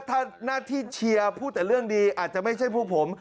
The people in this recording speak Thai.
ถ้าหน้าที่เชียร์พูดแต่เรื่องดีอาจจะไม่ใช่พวกผม